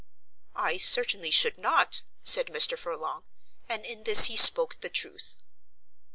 "I certainly should not," said Mr. Furlong, and in this he spoke the truth.